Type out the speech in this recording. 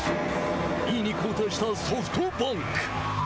２位に後退したソフトバンク。